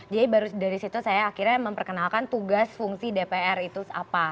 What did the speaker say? jadi dari situ saya akhirnya memperkenalkan tugas fungsi dpr itu apa